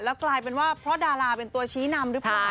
กลายเป็นว่าเพราะดาราเป็นตัวชี้นำหรือเปล่า